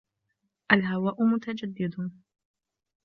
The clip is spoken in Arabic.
الْهَوَاءُ مُتَجَدِّدٌ.